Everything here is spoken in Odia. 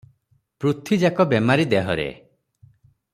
ପୃଥ୍ଵୀଯାକ ବେମାରି ଦେହରେ ।